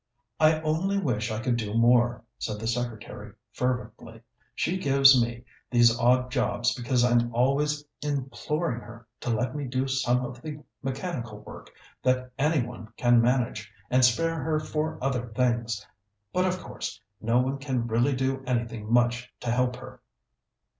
"I only wish I could do more," said the secretary fervently. "She gives me these odd jobs because I'm always imploring her to let me do some of the mechanical work that any one can manage, and spare her for other things. But, of course, no one can really do anything much to help her."